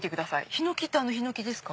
ヒノキってあのヒノキですか？